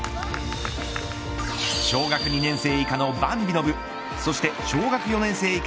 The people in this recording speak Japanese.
小学２年生以下のバンビの部そして小学４年生以下